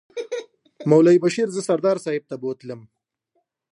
مولوي بشیر زه سردار صاحب ته بوتلم.